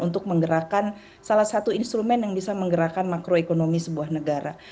untuk menggerakkan salah satu instrumen yang bisa menggerakkan makroekonomi sebuah negara